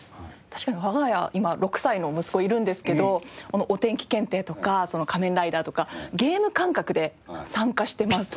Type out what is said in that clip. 確かに我が家今６歳の息子いるんですけど「お天気検定」とか『仮面ライダー』とかゲーム感覚で参加してます。